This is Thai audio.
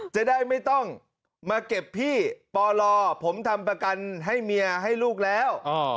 จะได้ไม่ต้องมาเก็บพี่ปลผมทำประกันให้เมียให้ลูกแล้ว